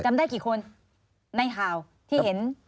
ได้กี่คนในข่าวที่เห็น